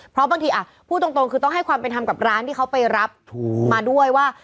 เพราะบางทีพูดตรงคือต้องให้ความเป็นธรรมกับร้านที่เขาไปรับมาด้วยว่า